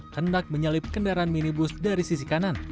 hendak menyalip kendaraan minibus dari sisi kanan